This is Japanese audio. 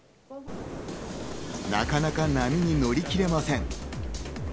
なかなか波に乗り切れません。